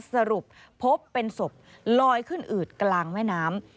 สรุปพบเป็นศพลอยขึ้นอืดกลางแม่น้ำ